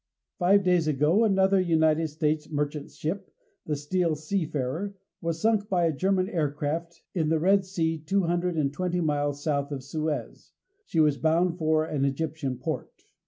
Five days ago, another United states merchant ship, the STEEL SEAFARER, was sunk by a German aircraft in the Red Sea two hundred and twenty miles south of Suez. She was bound for an Egyptian port.